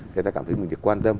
thế ta cảm thấy mình được quan tâm